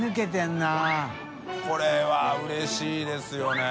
海譴うれしいですよね